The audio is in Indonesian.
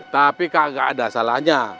tapi kagak ada salahnya